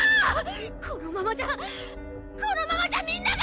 このままじゃこのままじゃみんなが。